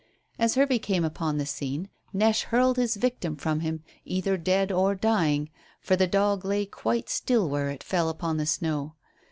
As Hervey came upon the scene, Neche hurled his victim from him, either dead or dying, for the dog lay quite still where it fell upon the snow.